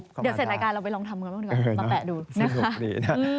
เดี๋ยวเสร็จรายการเราไปลองทำกันบ้างดีกว่ามาแปะดูนะคะ